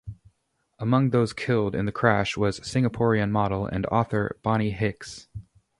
Among those killed in the crash was Singaporean model and author Bonny Hicks.